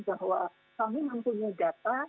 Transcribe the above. bahwa kami mempunyai data